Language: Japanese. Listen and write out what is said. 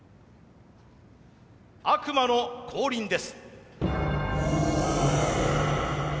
悪魔の降臨です。